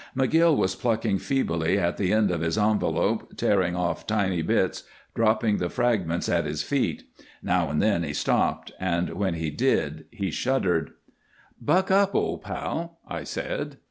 McGill was plucking feebly at the end of his envelope, tearing off tiny bits, dropping the fragments at his feet. Now and then he stopped, and when he did he shuddered. "Buck up, old pal," I said.